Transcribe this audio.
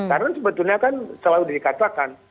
karena sebetulnya kan selalu dikatakan